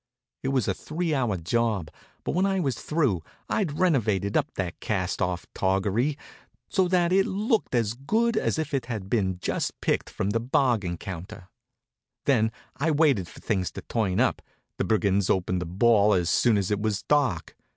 It was a three hour job, but when I was through I'd renovated up that cast off toggery so that it looked as good as if it had been just picked from the bargain counter. Then I waited for things to turn up. The brigands opened the ball as soon as it was dark.